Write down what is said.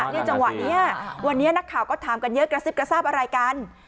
จังหวะนี้วันนี้นักข่าวก็ถามกันเยอะกระซิบกระซาบอะไรกัน